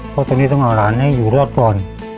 เพราะตอนนี้ต้องเอาหลานให้อยู่รอดก่อน